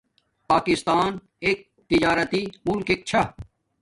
پاکستاں ایک تجاراتی ملکک چھا